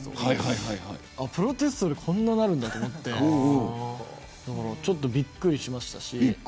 プロテストでこんなになるんだってちょっとびっくりしました。